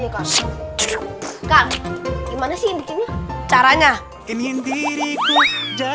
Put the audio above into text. gimana sih caranya